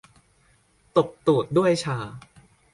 ตบตูดด้วยชา